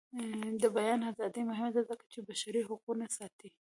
د بیان ازادي مهمه ده ځکه چې بشري حقونه ساتي.